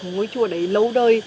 ngôi chùa đấy lâu đời